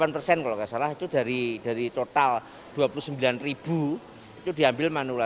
delapan persen kalau tidak salah itu dari total dua puluh sembilan ribu itu diambil manula